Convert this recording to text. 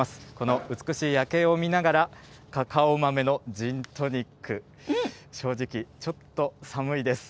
この美しい夜景を見ながら、カカオ豆のジントニック、正直、ちょっと寒いです。